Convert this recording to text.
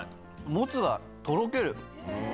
もつはとろける。